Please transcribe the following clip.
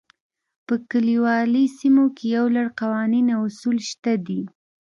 په کلیوالي سیمو کې یو لړ قوانین او اصول شته دي.